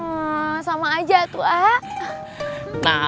muslim dia juga hal ya